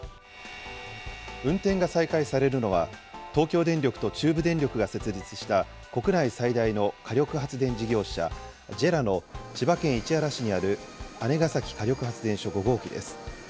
運転が再開されるのは、東京電力と中部電力が設立した国内最大の火力発電事業者、ＪＥＲＡの千葉県市原市にある姉崎火力発電所５号機です。